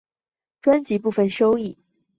专辑部分收益会用作支援东日本地震灾民。